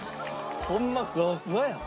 ホンマふわふわやん！